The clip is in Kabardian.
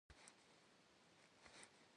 Mı pxhe ts'ınemç'e maf'e jeraje zeş'ebğestıfınu?